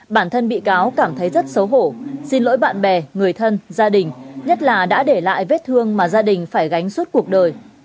bản thân bị cáo cảm thấy rất xấu hổ xin lỗi bạn bè người thân gia đình nhất là đã để lại vết thương mà gia đình phải gánh suốt cuộc đời